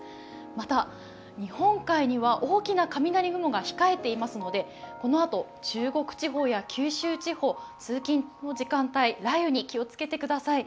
また、日本海には大きな雷雲が控えていますので、このあと中国地方や九州地方、通勤の時間帯、雷雨に気をつけてください。